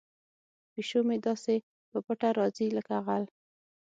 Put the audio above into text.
پیشو مې داسې په پټه راځي لکه غل.